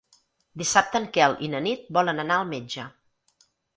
Dissabte en Quel i na Nit volen anar al metge.